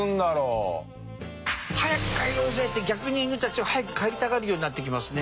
「早く帰ろうぜ」って逆に犬たちは早く帰りたがるようになってきますね。